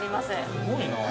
◆すごいな。